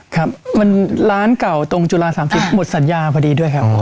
ครับมันร้านเก่าตรงจุฬา๓๐หมดสัญญาพอดีด้วยครับ